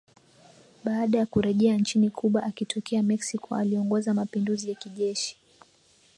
Baada ya kurejea nchini Cuba akitokea Mexico aliongoza mapinduzi ya kijeshi